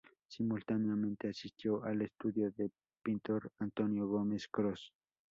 Simultáneamente, asistió al estudio del pintor Antonio Gómez Cros.